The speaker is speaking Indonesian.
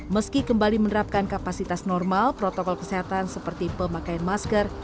meski kembali menerapkan kapasitas normal protokol kesehatan seperti pemakaian masker